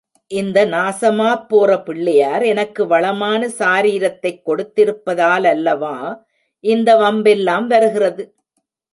இந்த நாசமாப் போற பிள்ளையார் எனக்கு வளமான சாரீரத்தைக் கொடுத்திருப்பதாலல்லவா இந்த வம்பெல்லாம் வருகிறது.